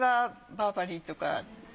バーバリーとか！